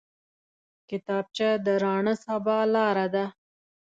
کتابچه د راڼه سبا لاره ده